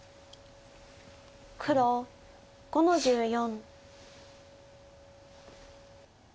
黒５の十四。